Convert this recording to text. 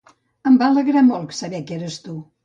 Em va alegrar molt saber que eres tu.